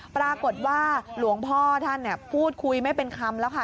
ปรากฏว่าหลวงพ่อท่านพูดคุยไม่เป็นคำแล้วค่ะ